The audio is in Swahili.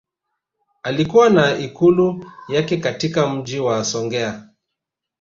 Alikuwa na Ikulu yake katika Mji wa Songea